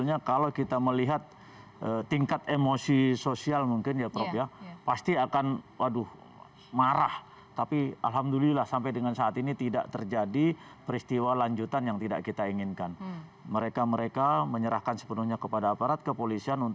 nah inilah perlu kedepan